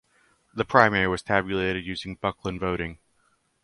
The primary was tabulated using Bucklin voting.